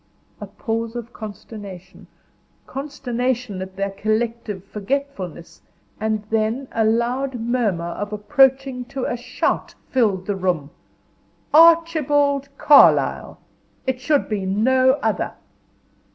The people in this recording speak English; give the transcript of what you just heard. A pause of consternation consternation at their collective forgetfulness and then a loud murmur of approaching to a shout, filled the room. Archibald Carlyle. It should be no other.